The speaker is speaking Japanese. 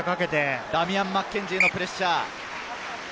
ダミアン・マッケンジーのプレッシャー。